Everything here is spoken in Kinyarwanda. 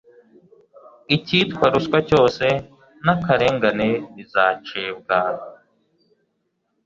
icyitwa ruswa cyose n'akarengane bizacibwa